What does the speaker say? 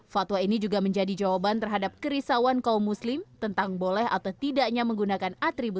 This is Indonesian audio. fatwa ini juga menjadi jawaban terhadap kerisauan kaum muslim tentang boleh atau tidaknya menggunakan atribut